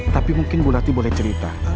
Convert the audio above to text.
tapi mungkin burati boleh cerita